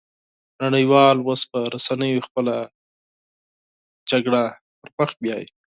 نړۍ وال اوس په رسنيو خپله جګړه پرمخ بيايي